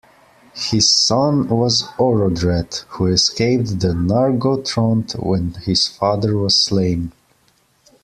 His son was Orodreth, who escaped to Nargothrond when his father was slain.